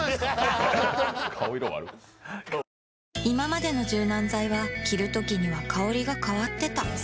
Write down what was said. いままでの柔軟剤は着るときには香りが変わってた